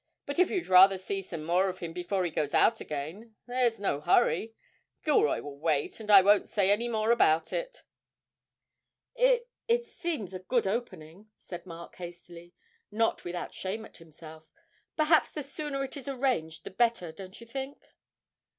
But if you'd rather see some more of him before he goes out again, there's no hurry. Gilroy will wait, and I won't say any more about it.' 'It it seems a good opening,' said Mark hastily, not without shame at himself; 'perhaps the sooner it is arranged the better, don't you think?'